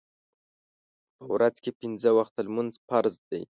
په ورځ کې پینځه وخته لمونځ فرض دی.